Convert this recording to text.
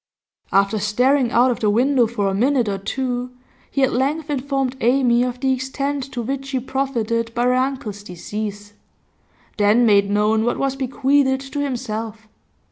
After staring out of the window for a minute or two, he at length informed Amy of the extent to which she profited by her uncle's decease, then made known what was bequeathed to himself.